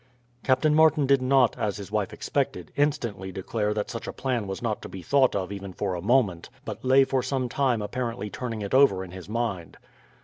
Captain Martin did not, as his wife expected, instantly declare that such a plan was not to be thought of even for a moment, but lay for some time apparently turning it over in his mind.